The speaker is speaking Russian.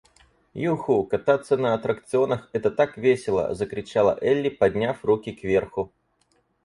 «Юху, кататься на аттракционах это так весело!» — закричала Элли, подняв руки к верху.